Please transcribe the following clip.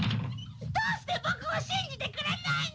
どうして僕を信じてくれないの？